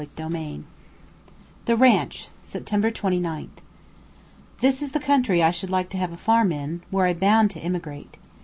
THE RANCH, September 29th. This is the country I should like to have a farm in, were I bound to emigrate.